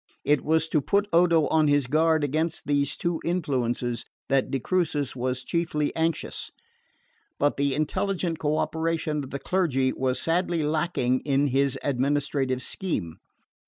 It was to put Odo on his guard against these two influences that de Crucis was chiefly anxious; but the intelligent cooperation of the clergy was sadly lacking in his administrative scheme.